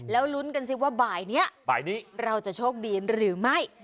แล้วลุ้นกันสิว่าบ่ายนี้บ่ายนี้เราจะโชคดีหรือไม่